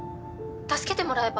☎助けてもらえば？